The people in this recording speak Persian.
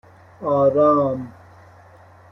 آرام